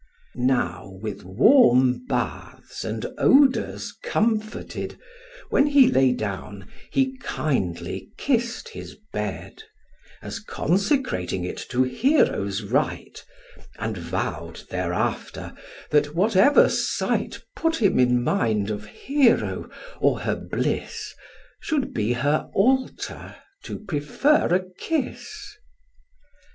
Now, with warm baths and odours comforted, When he lay down, he kindly kiss'd his bed, As consecrating it to Hero's right, And vow'd thererafter, that whatever sight Put him in mind of Hero or her bliss, Should be her altar to prefer a kiss.